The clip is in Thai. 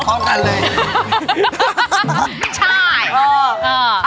ชอบจังเลยอย่างงี้ให้อยู่ต่อเลย